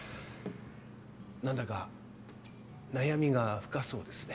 なんだか悩みが深そうですね。